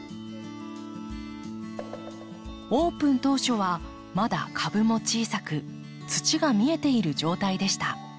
オープン当初はまだ株も小さく土が見えている状態でした。